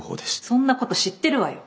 そんなこと知ってるわよ！